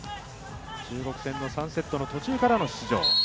中国戦の３セットの途中からの出場。